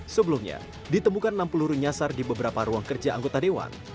sebelumnya ditemukan enam peluru nyasar di beberapa ruang kerja anggota dewan